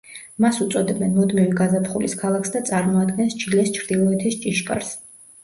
მას უწოდებენ „მუდმივი გაზაფხულის ქალაქს“ და წარმოადგენს ჩილეს ჩრდილოეთის ჭიშკარს.